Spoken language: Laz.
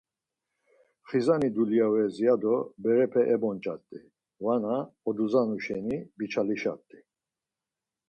Xizani dulya vez ya do berepe ebonç̌ati vana oduzanu şeni biçalişati?